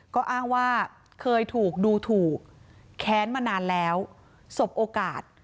ก็อ้างว่าเคยถูกดูถูกแค้นมานานแล้วสบโอกาส